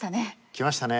来ましたね。